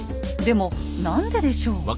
でも何ででしょう？